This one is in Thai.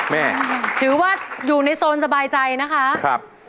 แม่อยู่ในโซนสบายใจนะคะ